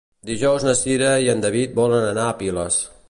Dijous na Cira i en David volen anar a Piles.